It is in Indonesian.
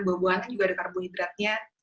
buah buahan juga ada karbohidratnya